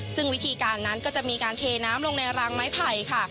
ซึ่งวิธีการนั้นก็จะมีการเทน้ำลงในรางไม้ไผ่ค่ะ